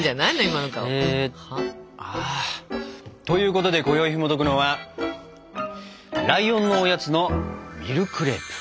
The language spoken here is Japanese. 今の顔。ということでこよいひもとくのは「ライオンのおやつ」のミルクレープ！